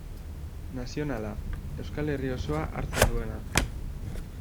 Nazionala, Euskal Herri osoa hartzen duena.